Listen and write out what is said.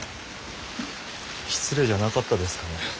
失礼じゃなかったですかね？